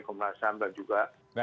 komnas sambal juga